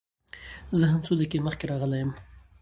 زه هم څو دقيقې مخکې راغلى يم.